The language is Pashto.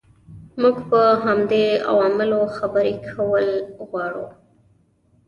موږ په همدې عواملو خبرې کول غواړو.